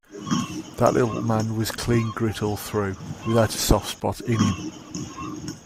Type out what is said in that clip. That little man was clean grit all through, without a soft spot in him.